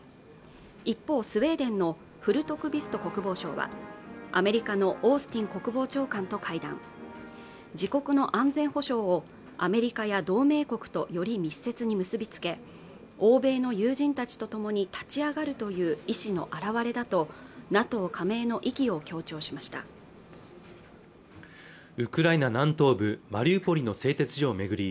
一方スウェーデンのフルトクビスト国防相はアメリカのオースティン国防長官と会談自国の安全保障をアメリカや同盟国とより密接に結びつけ欧米の友人たちとともに立ち上がるという意思の表れだとＮＡＴＯ加盟の意義を強調しましたウクライナ南東部マリウポリの製鉄所を巡り